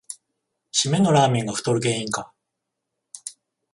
しめのラーメンが太る原因か